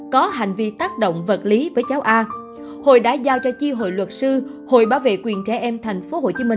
có hành vi tác động vật lý với cháu a hội đã giao cho chi hội luật sư hội bảo vệ quyền trẻ em tp hcm